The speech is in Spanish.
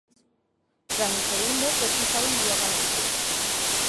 Tras el segundo, fue expulsado inmediatamente.